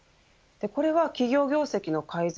これは企業業績の改善